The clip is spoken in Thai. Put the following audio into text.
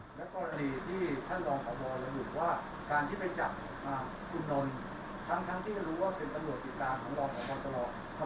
และกรณีที่ท่านรองของบอลระบุว่าการที่ไปจับอ่าคุณนนทั้งทั้งที่จะรู้ว่าเป็นตรวจผิดการของรองของบอตรอ